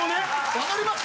わかりました？